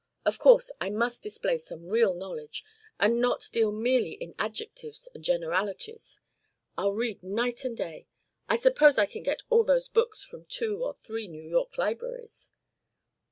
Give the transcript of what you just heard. Of course, I must display some real knowledge and not deal merely in adjectives and generalities. I'll read night and day I suppose I can get all those books from two or three New York libraries?"